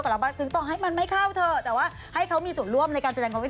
เราก็ถามไปเลยไง